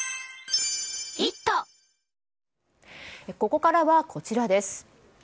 ここからはこちらです。